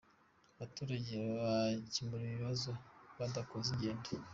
Abaturage bakemuriwe ibibazo badakoze ingendo